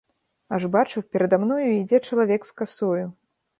Аж бачу, перада мной ідзе чалавек з касою.